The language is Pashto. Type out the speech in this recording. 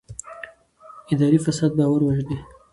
اداري فساد باور وژني